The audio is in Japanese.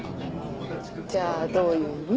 じゃどういう意味？